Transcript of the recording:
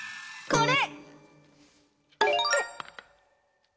これ！